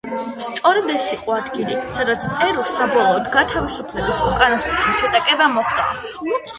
სწორედ ეს იყო ის ადგილი, სადაც პერუს საბოლოოდ გათავისუფლების უკანასკნელი შეტაკება მოხდა.